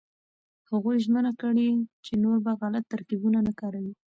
هغوی ژمنه کړې چې نور به غلط ترکيبونه نه کاروي.